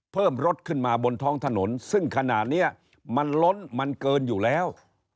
เพิ่มรถขึ้นมาบนท้องถนนซึ่งขณะนี้มันล้นมันเกินอยู่แล้ว